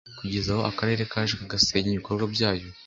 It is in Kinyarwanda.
kugeza aho Akarere kaje kagasenya ibikorwa byayo